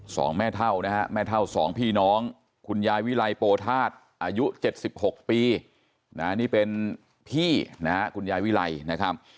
สองแม่เท่านะฮะแม่เท่าสองพี่น้องคุณยายวิลัยโปทาสอายุ๗๖ปีนะนี่เป็นพี่นะคุณยายวิลัยนะครับ